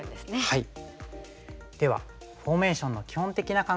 はい。